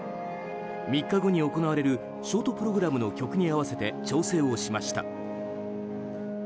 ３日後に行われるショートプログラムの曲に合わせて調整をしました。